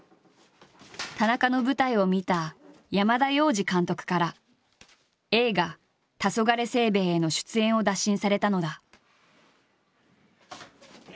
田中の舞台を見た山田洋次監督から映画「たそがれ清兵衛」への出演を打診されたのだ。